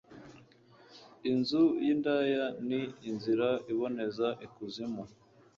inzu y'indaya ni inzira iboneza ikuzimu